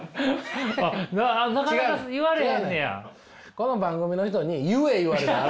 この番組の人に「言え」言われたの。